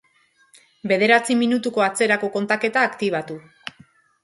Bederatzi minutuko atzerako kontaketa aktibatu